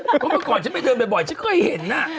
เพราะเมื่อก่อนฉันไปเดินบ่อยฉันเคยเห็น